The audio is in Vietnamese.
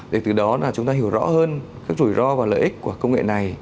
để từ đó chúng ta hiểu rõ hơn các rủi ro và lợi ích của công nghệ này